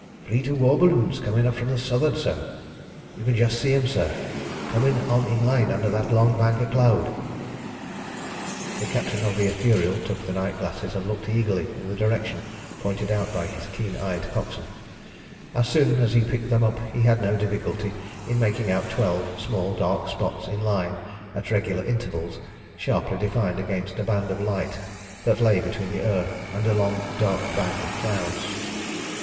"Fleet of war balloons coming up from the south'ard, sir. You can just see 'em, sir, coming on in line under that long bank of cloud." The captain of the Ithuriel took the night glasses, and looked eagerly in the direction pointed out by his keen eyed coxswain. As soon as he picked them up he had no difficulty in making out twelve small dark spots in line at regular intervals sharply defined against a band of light that lay between the earth and a long dark bank of clouds.